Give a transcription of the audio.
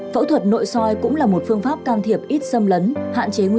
phẫu thuật nội soi cũng là một phương pháp can thiệp ít xâm lấn